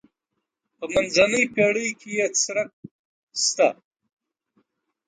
په منځنۍ پېړۍ کې یې څرک شته.